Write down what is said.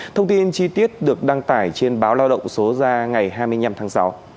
thông tin chi tiết được đăng tải trên báo lao động số ra ngày hai mươi năm tháng sáu